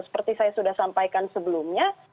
seperti saya sudah sampaikan sebelumnya